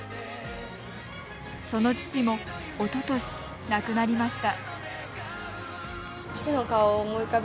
その父もおととし、亡くなりました。